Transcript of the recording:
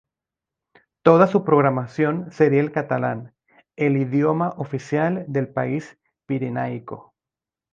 Toda su programación sería en catalán, el idioma oficial del país pirenaico.